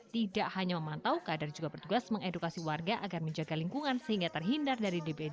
tidak hanya memantau kader juga bertugas mengedukasi warga agar menjaga lingkungan sehingga terhindar dari dpd